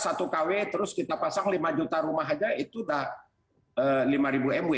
matakalah satu kw terus kita pasang lima juta rumah saja itu sudah lima mw